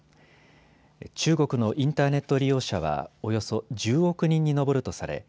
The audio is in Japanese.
中国のインターネット利用者はおよそ１０億人に上るとされ